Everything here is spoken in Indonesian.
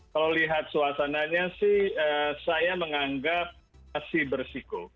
kalau lihat suasananya sih saya menganggap masih bersiku